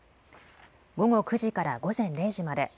午後９時から午前０時まで。